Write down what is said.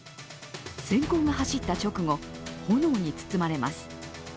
せん光が走った直後、炎に包まれます。